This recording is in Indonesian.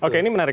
oke ini menarik